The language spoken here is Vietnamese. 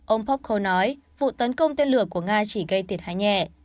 ông popko nói vụ tấn công tên lửa của nga chỉ gây tiệt hại nhẹ